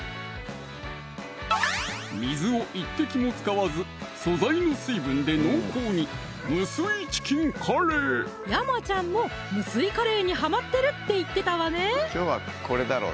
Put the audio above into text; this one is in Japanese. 水を１滴も使わず素材の水分で濃厚に山ちゃんも無水カレーにはまってるって言ってたわね